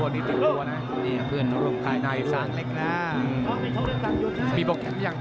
มีโปรแกรมหรือยัง